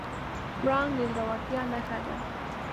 پړانګ د زړورتیا نښه ده.